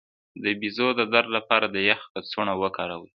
د بیضو د درد لپاره د یخ کڅوړه وکاروئ